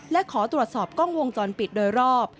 และขอตรวจสอบกล้องวงจรปิดโดยรอบ